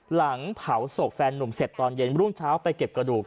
หลังเผาศพแฟนนุ่มเสร็จตอนเย็นรุ่งเช้าไปเก็บกระดูก